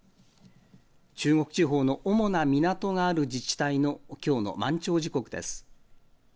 中国地方の主な港がある自治体のきょうの満潮時刻です。